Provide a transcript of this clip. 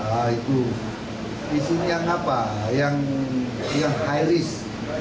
nah itu isunya yang apa yang high risk